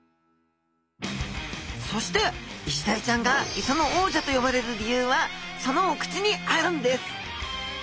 そしてイシダイちゃんが磯の王者と呼ばれる理由はそのお口にあるんです！